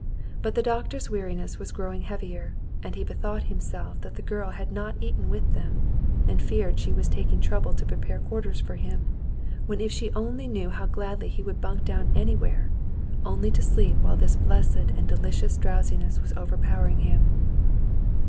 But the doctor's weariness was growing heavier, and he bethought himself that the girl had not eaten with them, and feared she was taking trouble to prepare quarters for him, when if she only knew how gladly he would bunk down anywhere, — only to sleep while this blessed and delicious drowsiness was over powering him.